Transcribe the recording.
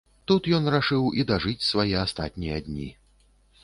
Тут ён рашыў і дажыць свае астатнія дні.